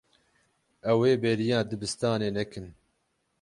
Ew ê bêriya dibistanê nekin.